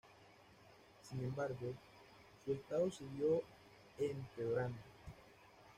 Sin embargo, su estado siguió empeorando.